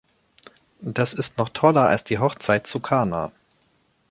Das ist noch toller als die Hochzeit zu Kana.